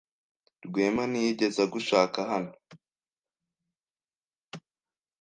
Rwema ntiyigeze agushaka hano.